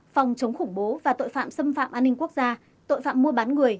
phòng chống khủng bố và tội phạm xâm phạm an ninh quốc gia tội phạm mua bán người